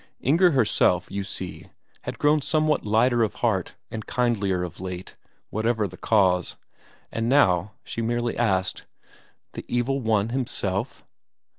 Inger herself, you see, had grown somewhat lighter of heart and kindlier of late, whatever the cause; and now she merely asked: "The Evil One himself?"